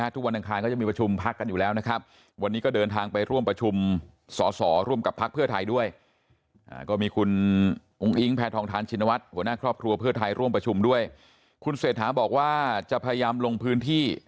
ที่จังหวัดก็จะเดินทางไป